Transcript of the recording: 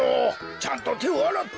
ちゃんとてをあらって。